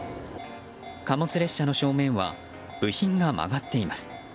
貨物列車の正面は部品が曲がっています。